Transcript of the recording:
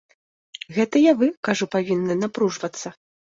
Гэтыя вы, кажу, павінны напружвацца.